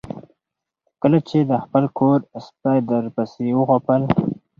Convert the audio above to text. کله چې د خپل کور سپي درپسې وغپل